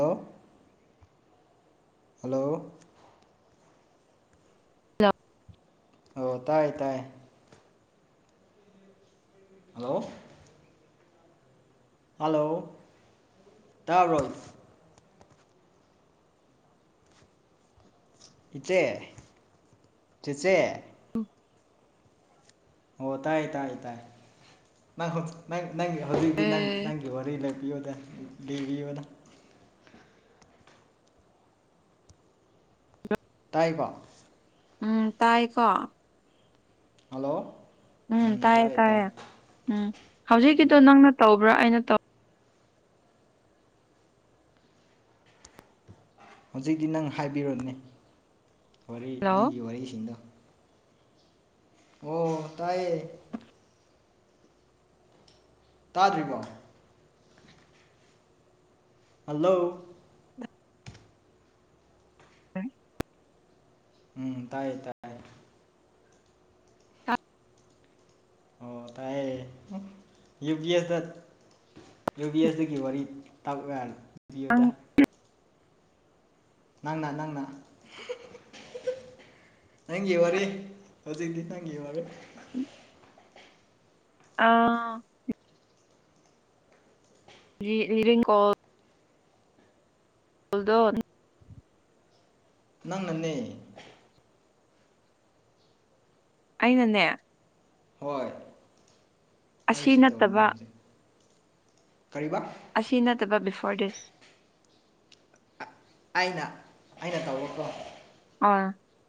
hello hello [unintelligible] ꯑꫭ ꯇꯥꯏ ꯇꯥꯏ ꯍꯜꯂꯣ ꯍꯜꯂꯣ ꯇꯥꯕ꯭ꯔꫭ ꯏꯆꯦ ꯆꯦꯆꯦ [unintelligible] ꯑꯣ ꯇꯥꯏꯌꯦ ꯇꯥꯏ ꯇꯥꯏ [unintelligible] ꯅꯪ ꯅꯪꯒꯤ ꯍꯧꯖꯤꯛꯇꯤ ꯅꯪ ꯑꯦ ꯅꯪꯒꯤ ꯋꯥꯔꯤ ꯂꯩꯕꯤꯌꯣꯗ ꯂꯤꯕꯤꯌꯣꯗ ꯇꯥꯏꯕ ꯎꯝ ꯇꯥꯏꯀꯣ ꯍꯜꯂꯣ ꯎꯝ ꯇꯥꯏꯌꯦ ꯇꯥꯏ ꯇꯥꯏ ꯇꯥꯏꯌꯦ ꯎꯝ ꯎꯝ ꯍꯧꯖꯤꯛꯀꯤꯗꯣ ꯅꯪꯅ ꯇꯧꯕ꯭ꯔꯥ ꯑꯩꯅ ꯇꯧ ꯍꯧꯖꯤꯛꯇꯤ ꯅꯪ ꯍꯥꯏꯕꯤꯔꯣꯅꯦ ꯋꯥꯔꯤ ꯍꯜꯂꯣ ꯅꯪꯒꯤ ꯋꯥꯔꯤꯁꯤꯡꯗꯣ ꯑꯣ ꯇꯥꯏꯌꯦ ꯇꯥꯗ꯭ꯔꯤꯕ ꯍꯜꯂꯣ ꯎꯝ ꯇꯥꯏ ꯇꯥꯏ ꯑꯣ ꯇꯥꯏꯌꯦ ꯌꯨ ꯄꯕꯤ ꯑꯦꯁ ꯌꯨ ꯕꯤ ꯑꯦꯁꯒꯤ ꯋꯥꯔꯤ ꯇꯥꯛ ꯌꯥꯅꯤ ꯔꯤꯌꯣꯗꯥ ꯅꯪ ꯅꯪꯅ ꯅꯪꯅ [unintelligible] ꯅꯪꯒꯤ ꯋꯥꯔꯤ ꯍꯧꯖꯤꯛꯇꯤ ꯅꯪꯒꯤ ꯋꯥꯔꯦ ꯑꯥ ꯔꯤ ꯔꯤꯔꯤꯡꯀꯣꯜ ꯄꯨꯜꯗꯣ ꯅꯪꯅꯅꯦ ꯑꯩꯅꯅꯦ ꯍꯣꯏ ꯑ ꯑꯁꯤ ꯔꯤꯁꯤꯞ ꯇꯧꯅꯦ ꯅꯠꯇꯕ ꯍꯧꯖꯤꯛ ꯀꯔꯤꯕ ꯑꯁꯤ ꯅꯠꯇꯕ ꯕꯤꯐꯣꯔ ꯗꯤꯁ ꯑꯩꯅ ꯑꯩꯅ ꯇꯧꯕꯀꯣ ꯑꯥ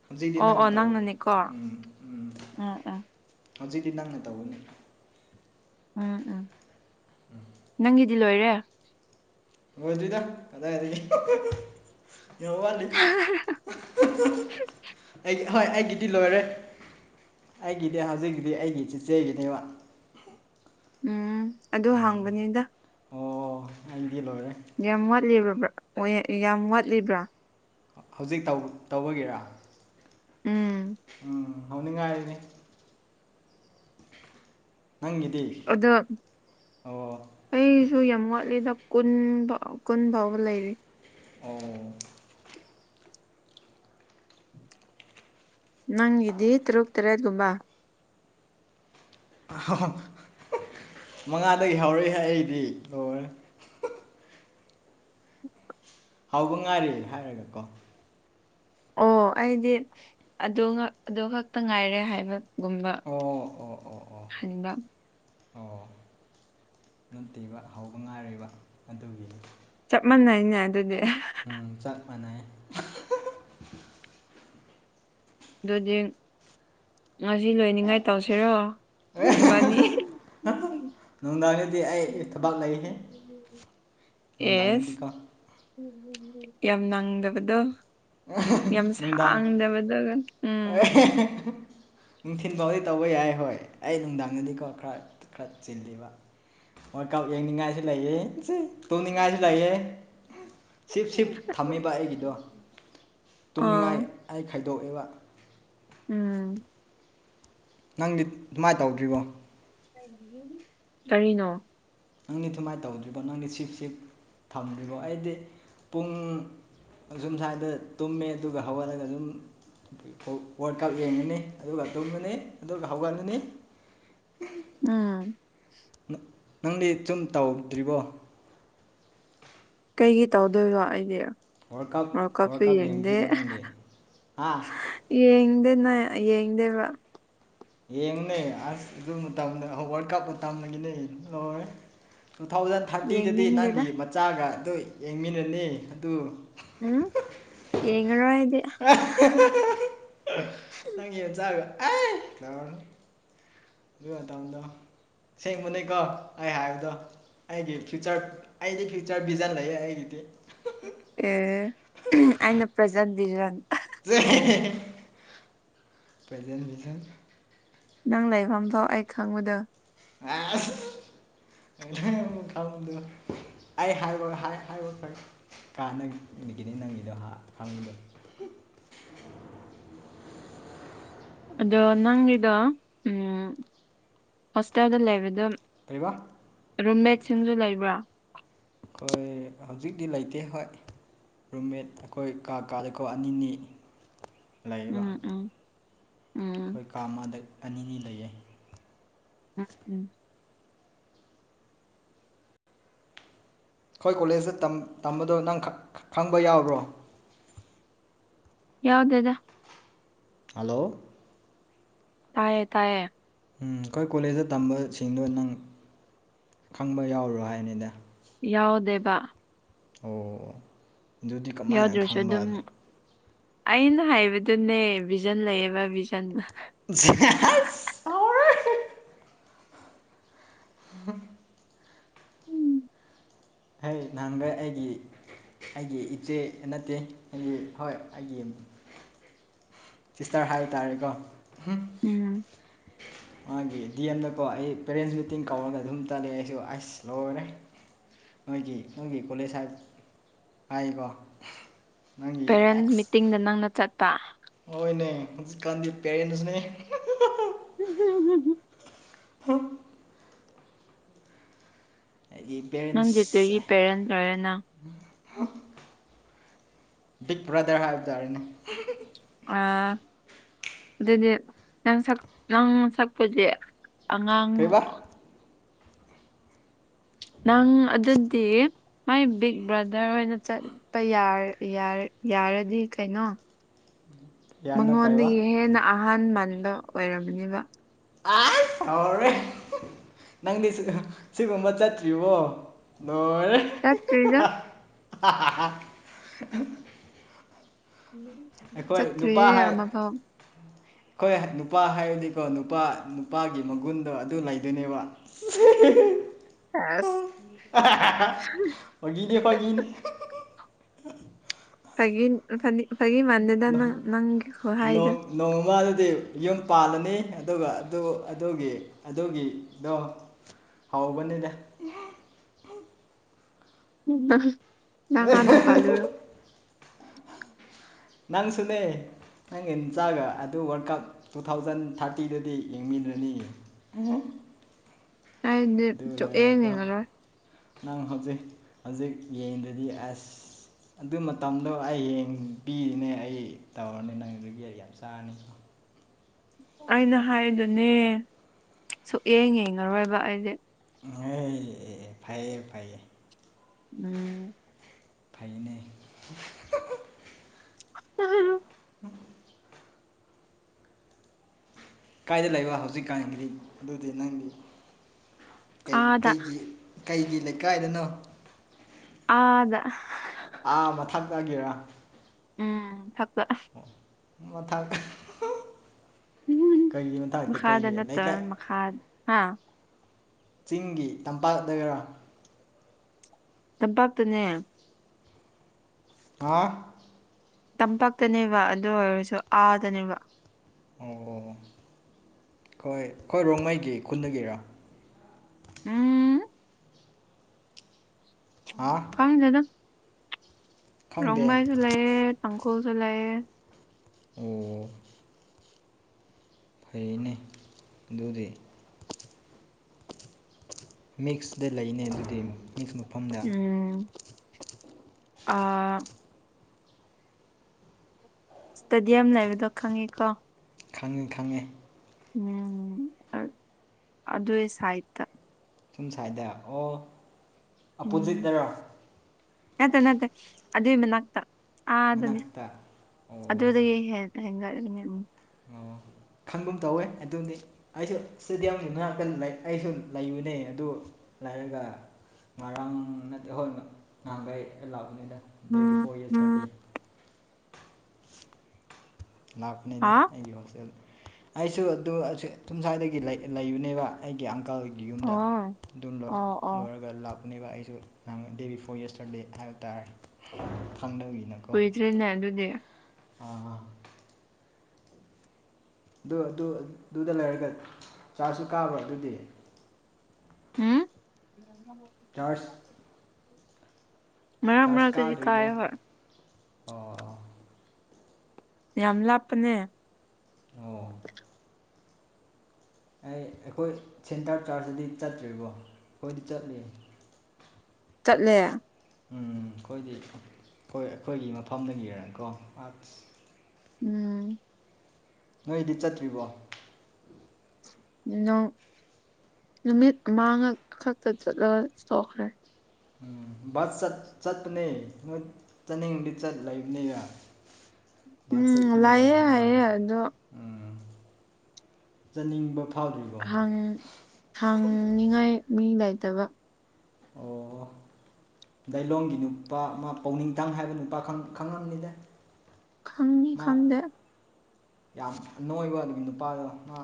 ꯍꯧꯖꯤꯗꯤ ꯑꯣ ꯅꯪꯅ ꯑꯣ ꯇꯧꯋꯤ ꯅꯪꯅꯅꯦꯀꯣ ꯎꯝ ꯎꯝ ꯎꯝ ꯎꯝ ꯍꯧꯖꯤꯛꯗꯤ ꯅꯪꯅ ꯇꯧꯒꯅꯤ ꯎꯝ ꯎꯝ ꯅꯪꯒꯤꯗꯤ ꯂꯣꯏꯔꯦ ꯂꯣꯏꯗꯔ꯭ꯤꯗ ꯀꯗꯥꯏꯗꯩꯩ [unintelligible] ꯌ ꯋꯥꯅꯤ [unintelligible] ꯑꯩ ꯍꯣꯏ ꯑꯩꯒꯤꯗꯤ ꯂꯣꯏꯔꯦ ꯑꯩꯒꯤꯗꯤ ꯍꯧꯖꯤꯛꯀꯤꯗꯤ ꯑꯩꯒꯤ ꯆꯤꯆꯦꯒꯤꯅꯦꯕ ꯎꯝ ꯑꯗꯨ ꯎꯝ ꯍꯥꯡꯕꯅꯤꯗ ꯑꯣ ꯑꯩꯗꯤ ꯂꯣꯏꯔꯦ ꯌꯥꯝ ꯋꯥꯠꯂꯤꯕꯕ꯭ꯔꯥ ꯑꯣꯌꯦ ꯌꯥꯝ ꯋꯥꯠꯂꯤꯕ꯭ꯔꯥ ꯍꯧꯖꯤꯛ ꯇꯧ ꯇꯧꯕꯒꯤꯔꯥ ꯎꯝ ꯎꯝ ꯍꯧꯅꯤꯡꯉꯥꯏꯅꯤ ꯅꯪꯒꯤꯗꯤ ꯑꯗꯣ ꯑꯣ ꯑꯩꯁꯨ ꯌꯥꯝ ꯋꯥꯠꯂꯤꯗ ꯀꯨꯟ ꯐ ꯀꯨꯟ ꯐꯥꯎꯕ ꯂꯩꯔꯤ ꯑꯣ ꯅꯪ ꯏꯗꯤ ꯇꯔꯛꯇꯔꯦ ꯂꯨꯕꯥ ꯃꯉꯥꯗꯒꯤ ꯍꯧꯔꯛꯏ ꯍꯥꯏ ꯑꯩꯗꯤ ꯂꯣꯏꯔꯦ ꯍꯥꯎꯕ ꯉꯥꯏꯔꯦ ꯍꯥꯏꯔꯒ ꯀꯣ ꯑꯣ ꯑꯩꯗꯤ ꯑꯗꯨꯒ ꯑꯗꯨ ꯈꯛꯇ ꯉꯥꯏꯔꯦ ꯍꯥꯏꯕ ꯒꯨꯝꯕ ꯑꯣ ꯑꯣ ꯑꯣ ꯑꯣ ꯍꯟꯕ ꯑꯣ ꯅꯨꯡꯇꯤꯕ ꯍꯧꯕ ꯉꯥꯏꯔꯤꯕ ꯑꯗꯨꯒꯤ ꯆꯞ ꯃꯥꯟꯅꯩꯅꯦ ꯑꯗꯨꯗꯤ ꯎꯝ ꯆꯞ ꯃꯥꯟꯅꯩꯌꯦ ꯑꯗꯨꯗꯤ ꯉꯁꯤ ꯂꯣꯏꯅꯤꯡꯉꯥꯏ ꯇꯧꯁꯤꯔꯣ ꯏꯕꯥꯅꯤ [unintelligible] ꯅꯨꯡꯗꯥꯡꯗꯗꯤ ꯑꯩ ꯊꯕꯛ ꯂꯩꯍꯦ ꯑꯦꯁ ꯅꯨꯡꯗꯥꯡꯗꯗꯤꯀꯣ ꯌꯥꯝ ꯅꯪꯗꯕꯗꯣ ꯌꯥꯝ ꯁꯥꯡꯗꯕꯗꯣꯒ ꯑꯦ ꯅꯨꯡꯊꯤꯟ ꯐꯥꯎꯗꯤ ꯇꯧꯕ ꯌꯥꯏ ꯍꯣꯏ ꯑꯩ ꯅꯨꯡꯗꯥꯡꯗꯗꯤꯀꯣ ꯈꯔ ꯈꯔ ꯆꯤꯜꯂꯤꯕ ꯍꯣꯏ ꯀꯥꯎ ꯌꯦꯡꯅꯤꯡꯉꯥꯏꯁꯨ ꯂꯩꯌꯦ ꯇꯣꯡꯅꯤꯡꯉꯥꯏꯁꯨ ꯂꯩꯌꯦ ꯁꯤꯞ ꯁꯤꯞ ꯊꯝꯃꯤꯕ ꯑꯩꯒꯤꯗꯣ ꯇꯨꯝꯅꯤꯡꯉꯥꯏ ꯑꯥ ꯑꯩ ꯈꯥꯏꯗꯣꯛꯑꯦꯕ ꯎꯝ ꯅꯪꯗꯤ ꯑꯗꯨꯃꯥꯏꯅ ꯇꯧꯗ꯭ꯔꯤꯕꯣ ꯀꯔꯤꯅꯣ ꯅꯪꯗꯤ ꯁꯨꯃꯥꯏꯅ ꯇꯧꯗ꯭ꯔꯤꯕꯣ ꯅꯪꯗꯤ ꯁꯤꯞꯁꯤꯞ ꯊꯝꯗ꯭ꯔꯤꯕꯣ ꯑꯩꯗꯤ ꯄꯨꯡ ꯁꯨꯝ ꯁ꯭ꯋꯥꯏꯗ ꯇꯨꯝꯃꯦ ꯑꯗꯨꯒ ꯍꯧꯒꯠꯂꯒ ꯁꯨꯝ ꯑꯗꯒꯤ ꯋꯥꯔꯜ ꯀꯞ ꯌꯦꯡꯉꯅꯤ ꯑꯗꯨꯒ ꯇꯨꯝꯉꯅꯤ ꯑꯗꯨꯒ ꯍꯧꯒꯠꯂꯅꯤ ꯎꯝ ꯅꯪꯗꯤ ꯁꯨꯝ ꯇꯧꯗ꯭ꯔꯤꯕꯣ ꯀꯩꯒꯤ ꯇꯧꯗꯣꯏꯕꯣ ꯑꯩꯗꯤ ꯋꯥꯔꯜ ꯀꯞ ꯋꯥꯔꯜ ꯀꯞꯁꯨ ꯀꯞ ꯌꯦꯡꯗ꯭ꯔꯤꯕꯣ ꯌꯦꯡꯗꯦ ꯅꯪꯗꯤ ꯑ ꯌꯦꯡꯗꯦꯅ ꯌꯦꯡꯗꯦꯕ ꯌꯦꯡꯉꯨꯅꯦ ꯑꯁ ꯑꯗꯨ ꯋꯥꯔꯜ ꯀꯥꯞꯄꯨ ꯇꯒꯤꯅꯦ ꯂꯣꯏꯔꯦ ꯇꯨ ꯊꯥꯎꯖꯟ ꯊꯥꯔꯇꯤꯗꯗꯤ ꯌꯦꯡꯅꯤꯡꯗꯦꯗ ꯅꯪꯒꯤ ꯃꯆꯥꯒ ꯑꯗꯨ ꯌꯦꯡꯃꯤꯟꯅꯅꯤ ꯑꯗꯨ ꯎꯝ ꯌꯦꯉꯔꯗ ꯅꯪ ꯆꯥꯒ ꯑꯗꯨ ꯃꯇꯝꯗꯣ ꯑꯁꯦꯡꯕꯅꯦꯀꯣ ꯑꯩ ꯍꯥꯏꯕꯗꯣ ꯑꯩꯒꯤ ꯐ꯭ꯌꯨꯆꯔ ꯑꯩꯗꯤ ꯐ꯭ꯌꯨꯆꯔ ꯚꯤꯖꯟ ꯂꯩꯌꯦ ꯑꯩꯒꯤꯗꯤ ꯑꯦ ꯑꯩꯅ ꯄ꯭ꯔꯖꯟꯕꯤꯔꯟ ꯄꯦꯟꯁ ꯅꯪ ꯂꯩꯥꯏꯐꯝꯐꯥꯎ ꯑꯥꯏ ꯈꯪꯃꯗ ꯑ ꯑꯃꯨ ꯈꯪꯗ ꯑꯩ ꯍꯥꯏꯔꯣꯏ ꯍꯥꯏ ꯍꯥꯏꯔ ꯐꯔ ꯀꯥꯟꯅ ꯅꯨꯃꯤꯠꯒꯤꯅꯤ ꯅꯪꯉꯗꯣ ꯍꯥ ꯍꯪꯉꯤꯗꯣ ꯑꯗꯣ ꯅꯪꯒꯤꯗꯣ ꯍꯣꯁꯇꯦꯜꯗ ꯂꯩꯕꯗ ꯀꯔꯤꯕ ꯔꯨꯝꯃꯦꯠꯁꯤꯡꯁꯨ ꯂꯩꯕ꯭ꯔꯥ ꯍꯣꯏ ꯍꯧꯖꯤꯛꯇꯤ ꯂꯩꯇꯦ ꯍꯣꯏ ꯔꯨꯝꯃꯦꯠ ꯑꯩꯈꯣꯏ ꯀꯥ ꯀꯥꯗꯀꯣ ꯑꯅꯤꯅꯤ ꯂꯩꯔꯤꯕ ꯎꯝ ꯎꯝ ꯎꯝ ꯑꯩꯈꯣꯏ ꯀꯥ ꯑꯃꯗ ꯑꯅꯤꯅꯤ ꯂꯩꯌꯦ ꯎꯝ ꯎꯝ ꯑꯩꯈꯣꯏ ꯀꯣꯂꯦꯖꯇ ꯇꯝꯕꯗꯣ ꯅꯪ ꯈꯪꯕ ꯌꯥꯕ꯭ꯔꯣ ꯌꯥꯎꯗꯗ ꯍꯜꯂꯣ ꯇꯥꯏꯌꯦ ꯇꯥꯏꯌꯦ ꯎꯝ ꯑꯩꯈꯣꯏ ꯀꯣꯂꯦꯖꯇ ꯇꯝꯕꯁꯤꯡꯗꯣ ꯅꯪ ꯈꯪꯕ ꯌꯥꯎꯔꯣ ꯍꯥꯏꯅꯤꯗ ꯌꯥꯎꯗꯦꯕ ꯑꯣ ꯑꯗꯨꯗꯤ ꯀꯃꯥꯏꯅ ꯌꯥꯎꯗ꯭ꯔꯁꯨ ꯑꯗꯨꯝ ꯈꯪꯕꯅꯤ ꯑꯩꯅ ꯍꯥꯏꯕꯗꯨꯅꯦ ꯚꯤꯖꯟ ꯂꯩꯌꯦꯕ ꯚꯤꯖꯟ [inaudible] ꯍꯩ ꯅꯍꯥꯟꯈꯩ ꯑꯩꯒꯤ ꯑꯩꯒꯤ ꯏꯆꯦ ꯅꯠꯇꯦ ꯑꯩꯒꯤ ꯍꯣꯏ ꯑꯩꯒꯤ ꯁꯤꯁꯇꯔ ꯍꯥꯏꯇꯥꯔꯦꯀꯣ ꯎꯝ ꯎ ꯃꯥꯒꯤ ꯗꯤ ꯑꯦꯝꯗꯀꯣ ꯑꯩ ꯄꯦꯔꯦꯟꯁ ꯃꯤꯇꯤꯡ ꯀꯧꯔꯒ ꯑꯗꯨꯝ ꯇꯠꯂꯑꯦ ꯑꯩꯁꯨ ꯑꯁ ꯂꯣꯏꯔꯦ ꯅꯣꯏꯒꯤ ꯅꯣꯏꯒꯤ ꯀꯣꯂꯦꯖ ꯍꯥꯏꯕ ꯍꯥꯏꯀꯣ ꯅꯪꯒꯤ ꯄꯦꯔꯦꯟꯁ ꯑꯦꯛꯁ ꯃꯤꯇꯤꯡꯗ ꯅꯪꯅ ꯆꯠꯄ ꯍꯣꯏꯅꯦ ꯍꯧꯖꯤꯛꯀꯥꯟꯗꯤ ꯄꯦꯔꯦꯟꯁꯅꯦ ꯎꯝ ꯍꯝ ꯍ ꯍ ꯑꯩꯒꯤ ꯅꯪ ꯄꯦꯔꯦꯟꯁ ꯇꯒꯤ ꯄꯦꯔꯦꯟ꯭ꯔꯔꯦꯅ ꯕꯤꯛ ꯕ꯭ꯔꯥꯗꯔ ꯍꯥꯏꯕ ꯇꯥꯔꯦꯅꯦ ꯑ ꯑꯗꯨꯗꯤ ꯅꯪꯛ ꯅꯪ ꯁꯛꯄꯁꯦ ꯑꯉꯥꯡ ꯀꯩꯕꯥ ꯅꯪ ꯑꯗꯗꯤꯦ ꯍ ꯕꯤꯛ ꯕ꯭ꯔꯗꯔ ꯑꯣꯏꯅ ꯆꯠꯄ ꯌꯥꯔꯗꯤ ꯀꯩꯅꯣ ꯌꯥꯅꯣ ꯀꯩꯕꯥ ꯃꯉꯣꯟꯗꯒꯤꯗꯒꯤ ꯍꯦꯟꯅ ꯑꯍꯟ ꯃꯟꯥꯟꯕ ꯑꯣꯏꯔꯕꯅꯦꯕ ꯑꯔ ꯅꯪꯗꯤ ꯁꯤꯒꯨꯝꯕ ꯆꯠꯇ꯭ꯔꯤꯕꯣ ꯅꯣꯏꯔꯦ ꯇꯥꯛ ꯀꯔꯤꯒ ꯑ ꯆꯠꯠꯇ꯭ꯔꯤꯌꯦꯦꯃꯕ ꯍꯣꯏ ꯅꯨꯄꯥ ꯍꯥꯏꯔꯨꯅꯤꯀꯣ ꯅꯨꯄꯥ ꯅꯨꯄꯥꯒꯤ ꯃꯒꯨꯟꯗꯣ ꯑꯗꯨ ꯂꯩꯗꯣꯏꯅꯦꯕ ꯑꯁ ꯍꯒꯤꯅꯦ ꯍꯒꯤꯅꯦ ꯐ ꯐꯒꯤ ꯃꯥꯟꯗꯦꯗ ꯅꯪ ꯅꯪꯒꯤ ꯈ ꯍꯥꯏꯥꯏꯗ ꯅꯣꯡꯃꯃꯗꯗꯤ ꯌꯨꯝ ꯄꯥꯜꯂꯅꯤ ꯑꯗꯨꯒ ꯑꯗꯨ ꯑꯗꯨꯒꯤ ꯑꯗꯨꯒꯤꯗꯣ ꯍꯧꯕꯅꯤꯅꯦ ꯅꯍꯥꯟꯅ ꯄꯥꯜꯨ ꯅꯪꯁꯤꯅꯦ ꯅꯪꯒꯤ ꯅꯨꯆꯥꯒ ꯑꯗꯨ ꯋꯥꯔꯜ ꯀꯞ ꯇꯨ ꯊꯥꯎꯖꯟ ꯊꯥꯔꯇꯤꯗꯗꯤ ꯌꯦꯡꯃꯤꯗ꯭ꯔꯅꯤꯌꯦ ꯑ ꯑꯗꯤ ꯂꯣꯏꯔꯒ ꯌꯦꯡꯉꯦꯣ ꯅꯪ ꯍꯧꯖꯤꯛ ꯍꯧꯖꯤꯛ ꯌꯦꯡꯗꯗꯤ ꯑꯁ ꯑꯗꯨ ꯃꯇꯝꯗꯣ ꯑꯩꯌꯦꯡ ꯄꯤꯅꯦ ꯑꯩ ꯇꯧꯔꯅꯤ ꯅꯪ ꯑꯗꯨꯒꯤ ꯌꯥꯝ ꯁꯥꯅꯤ ꯑꯩꯅ ꯍꯥꯏꯗꯨꯅꯦ ꯁꯨꯌꯦꯡ ꯌꯦꯡꯉꯔꯣꯏꯕ ꯑꯩꯁꯦ ꯍ ꯐꯩꯌꯦ ꯐꯩꯌꯦ ꯎꯝ ꯐꯥꯏꯩ [unintelligible] ꯀꯥꯏꯗ ꯂꯩꯕ ꯍꯧꯖꯤꯛꯀꯥꯟꯒꯤ ꯑꯗꯨꯗꯤ ꯅꯪꯗꯤ ꯀꯩ ꯑꯥꯗ ꯀꯩꯒꯤ ꯀꯩꯒꯤ ꯂꯩꯀꯥꯏꯗꯅꯣ ꯑꯥꯗ ꯑꯥ ꯃꯊꯛ ꯇꯥꯒꯤꯔꯥ ꯎꯝ ꯊꯛꯄ ꯃꯊꯛ [unintelligible] [unintelligible] ꯀꯩꯒꯤ ꯃꯊꯛꯇ ꯃꯈꯥꯗ ꯀꯩꯒꯤ ꯅꯠꯇ ꯂꯩꯀꯥꯏ ꯃꯈꯥ ꯍꯥ ꯆꯤꯡꯒꯤ ꯇꯝꯄꯥꯛ ꯗꯒꯔ ꯇꯄꯥꯞꯇꯅꯦ ꯍꯥꯥ ꯇꯝꯄꯥꯛꯛꯇꯅꯦꯕ ꯑꯗꯨ ꯑꯣꯏꯔꯁꯨ ꯑꯥꯗꯅꯦꯕ ꯑꯣ ꯑꯣ ꯍꯣꯏ ꯑꯩꯣꯏ ꯔꯣꯡꯉꯩꯒꯤ ꯈꯨꯟꯗꯒꯤꯔꯥ ꯎꯝ ꯍꯥ ꯀꯃ ꯆꯗ ꯈꯪꯗꯦ ꯔꯪꯕꯥꯏ ꯆꯂꯌꯦꯦ ꯇꯪꯈꯜ ꯆꯂꯌꯦꯦ ꯑꯣ ꯐꯩꯌꯦꯅꯦ ꯑꯗꯨꯗꯤ ꯃꯤꯛꯁꯗ ꯂꯩꯅꯦ ꯃꯤꯛꯁ ꯃꯐꯝꯗ ꯎꯝ ꯑ ꯏꯁꯇꯦꯗꯤꯌꯝ ꯂꯩꯕꯗꯣ ꯈꯪꯉꯤꯀꯣ ꯈꯪꯉꯤ ꯈꯪꯉꯦ ꯎꯝ ꯑ ꯑꯗꯨꯏ ꯁꯥꯏꯠꯇ ꯁꯨꯝ ꯁ꯭ꯥꯏꯏꯗ ꯑꯣ ꯎꯝ ꯑꯄꯣꯖꯤꯠꯇꯔꯣ ꯅꯠꯇꯦ ꯅꯠꯇꯦ ꯑꯗꯨꯏ ꯃꯅꯥꯛꯇ ꯑꯥꯗꯥꯅꯤ ꯃꯅꯥꯛꯇ ꯑꯣ ꯑꯗꯨꯗꯒꯤꯗꯒꯤ ꯍꯦꯟꯒꯠꯂꯤꯅꯦ ꯎꯝ ꯑꯣ ꯈꯪꯒꯨꯝ ꯇꯧꯋꯦ ꯑꯗꯨꯗꯤ ꯑꯩꯁꯨ ꯏꯁꯇꯦꯗꯤꯌꯝꯒꯤ ꯉꯥꯛꯇ ꯑꯩꯁꯨ ꯂꯩꯕꯅꯦ ꯑꯗꯨ ꯂꯥꯏꯔꯒ ꯉꯔꯥꯡ ꯅꯠꯇꯦ ꯍꯣꯏ ꯅꯍꯥꯟꯒꯩ ꯂꯥꯛꯄꯅꯤꯗ ꯗꯦ ꯕꯤꯐꯣꯔ ꯎꯝ ꯌꯦꯁꯇꯔꯗꯦ ꯂꯥꯛꯄꯅꯤꯗ ꯍꯥ ꯑꯩꯒꯤ ꯍꯣꯁꯇꯦꯜꯗ ꯑꯩꯁꯨ ꯑꯗꯨ ꯊꯨꯝꯁꯥꯏꯗꯒꯤ ꯂꯩꯕꯅꯦꯕ ꯑꯩꯒꯤ ꯑꯪꯀꯜꯒꯤ ꯒꯤ ꯌꯨꯝꯗ ꯑꯣ ꯑꯗꯨ ꯑꯣ ꯑꯣ ꯂꯣꯏꯔꯒ ꯂꯥꯞ ꯄꯅꯦꯕ ꯑꯩꯁꯨ ꯅꯪ ꯗꯦ ꯕꯤꯐꯣꯔ ꯌꯦꯁꯇꯔ ꯗꯦ ꯍꯥꯏꯕ ꯇꯥꯔꯦ ꯈꯪꯗꯕꯒꯤꯅ ꯀꯨꯏꯗ꯭ꯔꯦꯅꯦ ꯑꯗꯨꯗꯤ ꯑꯥ ꯍꯥ ꯑꯗꯨ ꯑꯗꯨꯗ ꯂꯩꯔꯒ ꯆꯥꯔꯂꯁꯨ ꯀꯥꯕ ꯑꯗꯨꯗꯤ ꯑꯝ ꯆꯥꯔꯖ ꯃꯔꯛ ꯆꯥꯔꯖ ꯃꯔꯛ ꯇꯗꯤ ꯀꯥꯗ꯭ꯔꯤꯕꯣ ꯀꯥꯏꯌꯦ ꯍꯣꯏ ꯑꯣ ꯑꯣ ꯌꯥꯝ ꯂꯥꯞꯄꯅꯦ ꯑꯣ ꯑꯩ ꯑꯩꯈꯣꯏ ꯁꯦꯟꯇꯔ ꯆꯥꯔꯆꯇꯗꯤ ꯆꯠꯇ꯭ꯔꯤꯕꯣ ꯑꯩꯈꯣꯏꯗꯤ ꯆꯠꯂꯤ [inaudible] ꯆꯠꯂꯦ ꯎꯝ ꯑꯩꯈꯣꯏꯗꯤ ꯑꯩꯈꯣꯏ ꯑꯩꯈꯣꯏꯒꯤ ꯃꯐꯝꯗꯒꯤꯔ ꯀꯣ ꯑꯁ ꯎꯝ ꯅꯣꯏꯗꯤ ꯆꯠꯇ꯭ꯔꯤꯕꯣ ꯅꯣ ꯅꯨꯃꯤꯠ ꯑꯃꯥꯉꯛ ꯈꯛꯇ ꯆꯠꯂꯒ ꯇꯣꯛꯈ꯭ꯔꯦ ꯎꯝ ꯕꯁ ꯆꯠ ꯆꯠꯄꯥꯅꯦ ꯆꯠꯅꯤꯡꯕꯗꯤ ꯆꯠ ꯂꯩꯕꯅꯦꯕ ꯎꯝ ꯂꯥꯛꯑꯦ ꯅꯨꯡꯉꯥꯏ ꯍꯥꯏꯌꯦ ꯑꯗꯣ ꯎꯝ ꯆꯠꯅꯤꯡꯕ ꯐꯥꯎꯗ꯭ꯔꯤꯕꯣ ꯍꯥꯡ ꯍꯥꯡꯅꯤꯉꯥꯏ ꯃꯤ ꯂꯩꯇꯕ ꯑꯣ ꯂꯩꯂꯣꯡꯒꯤ ꯅꯨꯄꯥ ꯑꯃ ꯄꯥꯎꯅꯤꯡꯊꯪ ꯍꯥꯏꯕ ꯅꯨꯄꯥ ꯈꯪꯉꯝ ꯈꯪꯉꯝꯅꯤꯗ ꯈꯪꯅꯤ ꯃꯥ ꯈꯪꯗꯦ ꯌꯥꯝ ꯑꯅꯣꯏꯕ ꯅꯨꯄꯥꯗꯣ ꯃꯥ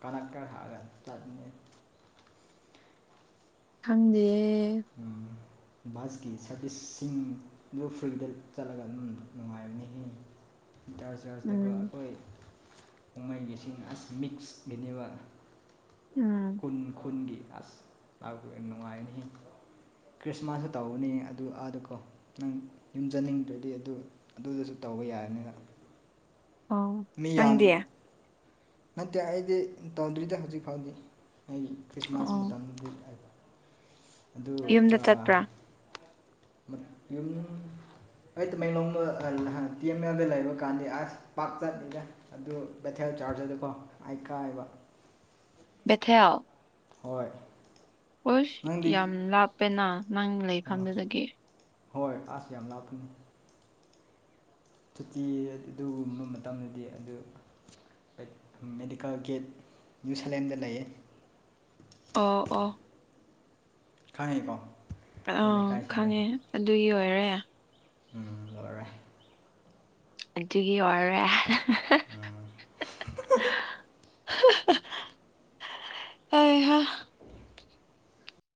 ꯀꯔ ꯀꯔ ꯍꯥꯛꯌꯦ ꯂꯥꯛꯅꯤꯡꯉꯦ ꯈꯪꯗꯤꯌꯦ ꯎꯝ ꯕꯁꯀꯤ ꯁꯥꯔꯚꯤꯁꯁꯤꯡꯗꯨ ꯐ꯭ꯔꯤꯗ ꯆꯠꯂꯒ ꯑꯗꯨꯝ ꯅꯨꯡꯉꯥꯏꯕꯅꯤꯍꯦ [unintelligible] ꯆꯥꯔꯖꯇꯀꯣ ꯎꯝ ꯑꯩꯈꯣꯏ ꯄꯨꯝꯍꯩꯒꯤꯁꯤꯡ ꯑꯁ ꯃꯤꯛꯁꯀꯤꯅꯦꯕꯥ ꯎꯝ ꯈꯨꯟ ꯈꯨꯟꯒꯤ ꯑꯁ ꯂꯥꯛ ꯅꯨꯡꯉꯥꯏꯅꯤꯍꯦ ꯈ꯭ꯔꯤꯁꯃꯥꯁꯁꯨ ꯇꯧꯒꯅꯤ ꯑꯗꯨ ꯑꯥꯗ ꯀꯣ ꯅꯪ ꯌꯨꯝ ꯆꯠꯅꯤꯡꯗ꯭ꯔꯗꯤ ꯑꯗꯨ ꯑꯗꯨꯗꯁꯨ ꯇꯧꯕ ꯌꯥꯔꯅꯤꯅ ꯑꯣ ꯅꯪꯗꯤ ꯃꯤꯌꯥꯡ ꯅꯠꯇꯦ ꯑꯩꯗꯤ ꯇꯧꯗ꯭ꯔꯤꯗ ꯍꯧꯖꯤꯛ ꯐꯥꯎꯗꯤ ꯑꯩꯒꯤ ꯈ꯭ꯔꯤꯁꯃꯥꯁ ꯑꯣ ꯃꯇꯝꯒꯤ ꯍꯥꯏꯕ ꯑꯗꯨ ꯌꯨꯝꯗ ꯑꯥꯍ ꯆꯠꯄ꯭ꯔꯥ ꯌꯨꯝ ꯑꯩ ꯇꯃꯦꯡꯂꯣꯡꯗ ꯇꯤ ꯑꯦꯝꯗ ꯂꯩꯕ ꯀꯥꯟꯗꯤ ꯑꯁ ꯄꯥꯛ ꯆꯠꯅꯤꯡꯗꯦ ꯑꯗꯨ ꯕꯦꯊꯦꯜ ꯆꯥꯔꯖꯔꯗꯀꯣ ꯑꯩ ꯀꯥꯏꯕ ꯕꯦꯊꯑꯦꯜ ꯍꯣꯏ ꯍꯁ ꯅꯪꯗꯤ ꯌꯥꯝ ꯂꯥꯞꯄꯦꯅ ꯅꯪ ꯑꯥ ꯂꯩꯐꯝꯗꯨꯗꯒꯤ ꯍꯣꯏ ꯑꯁ ꯌꯥꯝ ꯂꯥꯞꯄꯅꯤ ꯁꯨꯇꯤ ꯑꯗꯨꯒꯨꯝꯕ ꯃꯇꯝꯗꯗꯤ ꯑꯗꯨ ꯃꯦꯗꯤꯀꯦꯜ ꯒꯤ ꯅ꯭ꯌꯨꯖꯤꯂꯦꯟꯗ ꯂꯩꯌꯦ ꯑꯣ ꯑꯣ ꯈꯪꯉꯤꯀꯣ ꯑ ꯑꯗꯨ ꯂꯩꯀꯥꯏꯁꯤꯡꯗꯣ ꯈꯪꯉꯦ ꯑꯗꯨꯒꯤ ꯑꯣꯏꯔꯦ ꯎꯝ ꯂꯣꯏꯔꯦ ꯑꯗꯨꯒꯤ ꯑꯣꯏꯔꯦ ꯎꯝ ꯍꯩ ꯍꯥ [inaudible]